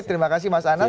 terima kasih mas anas